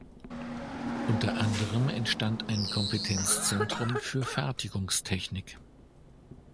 Unter anderem entstand ein Kompetenzzentrum für Fertigungstechnik.